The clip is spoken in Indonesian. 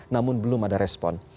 namun belum ada respon